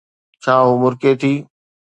ڇا ھوءَ مُرڪي ٿي؟